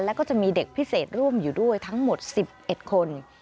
แล้วก็จะมีเด็กพิเศษร่วมอยู่ด้วยทั้งหมด๑๑คน